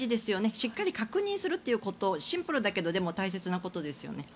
しっかり確認するっていうことシンプルだけどでも、大切なことですよね。